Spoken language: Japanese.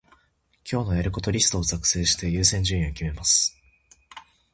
今日のやることリストを作成して、優先順位を決めます。